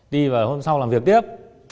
đi vào hôm sau làm việc tiếp